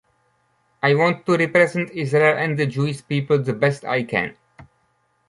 I want to represent Israel and the Jewish people the best I can.